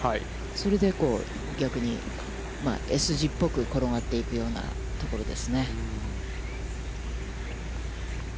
それで、逆にＳ字っぽく転がっていくようなところですね。